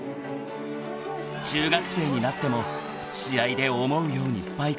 ［中学生になっても試合で思うようにスパイクが決まらない］